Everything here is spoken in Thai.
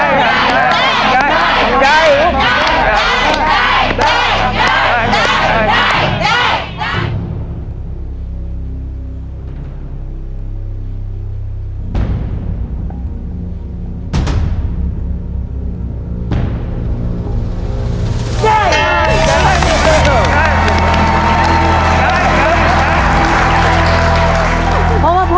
ทาราบังชุดรับแขกเนี่ยออกวางแผงในปีภศ๒๕๔๖ค่ะ